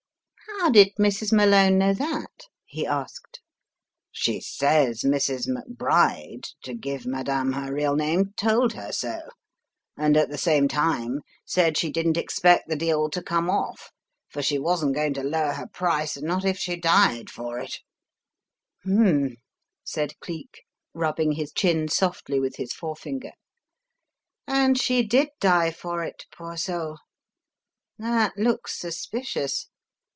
"How did Mrs. Malone know that?" he asked. "She says Mrs. McBride, to give Madame her real name, told her so, and at the same time, said she didn't expect the deal to come off, for she wasn't going to lower her price, not if she died for it " "H'm," said Cleek, rubbing his chin softly with his forefinger, "and she did 'die for it/ poor soul. That looks suspicious.